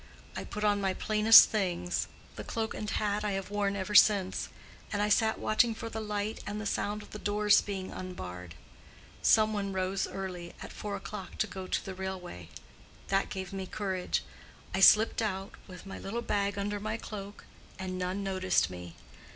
I put on my plainest things—the cloak and hat I have worn ever since; and I sat watching for the light and the sound of the doors being unbarred. Some one rose early—at four o'clock, to go to the railway. That gave me courage. I slipped out, with my little bag under my cloak, and none noticed me.